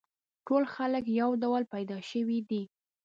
ټول خلک یو ډول پیدا شوي دي.